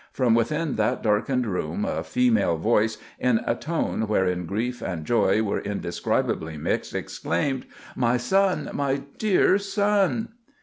From within that darkened room "a female voice, in a tone wherein grief and joy were indescribably mixed, exclaimed, 'My son! my dear son!